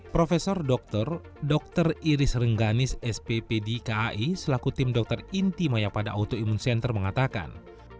profesor dokter dr iris rengganis sppd kai selaku tim dokter inti maya pada autoimmune center mengatakan